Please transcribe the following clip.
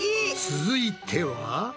続いては。